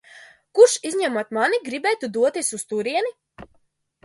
Kurš, izņemot mani, gribētu doties uz turieni?